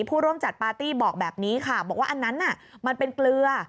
ผู้ร่วมจัดปาร์ตี้บอกแบบนี้ค่ะบอกว่าอันนั้นน่ะมันเป็นเกลือ